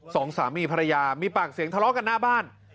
สองสามีภรรยามีปากเสียงทะเลาะกันหน้าบ้าน